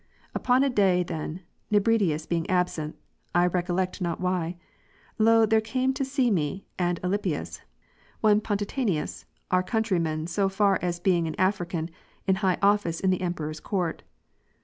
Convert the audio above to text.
14. Upon a day then, Nebridius being absent, (I recollect not why,) lo, there came to see me and Alypius, one Pon titianus, our countryman so far as being an African, in high office in the Emperor's court.